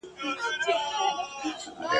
هغه ورځ هم لیري نه ده چي به کیږي حسابونه !.